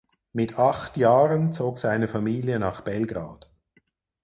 Mit acht Jahren zog seine Familie nach Belgrad.